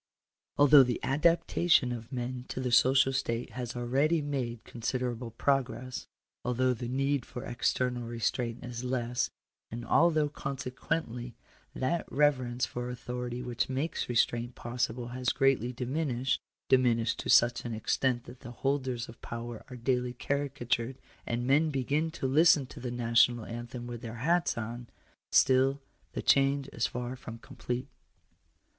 Although the adaptation of man to the social state has al ready made considerable progress — although the need for ex ternal restraint is less — and although consequently that rever ence for authority which makes restraint possible, has greatly diminished — diminished to such an extent that the holders of power are daily caricatured, and men begin to listen to the National Anthem with their hats on — still the change is far from complete.